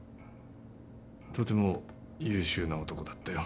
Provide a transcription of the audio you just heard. とても優秀な男だったよ。